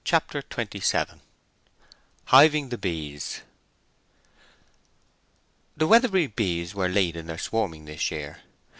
CHAPTER XXVII HIVING THE BEES The Weatherbury bees were late in their swarming this year.